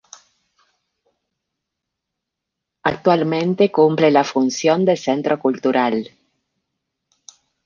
Actualmente cumple la función de centro cultural.